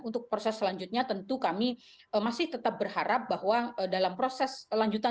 untuk proses selanjutnya tentu kami masih tetap berharap bahwa dalam proses lanjutan